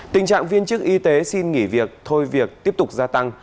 tình trạng viên chức y tế xin nghỉ việc thôi việc tiếp tục gia tăng